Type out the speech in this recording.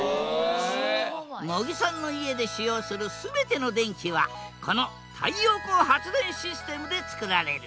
茂木さんの家で使用する全ての電気はこの太陽光発電システムで作られる。